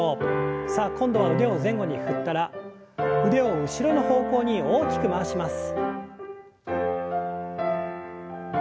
さあ今度は腕を前後に振ったら腕を後ろの方向に大きく回します。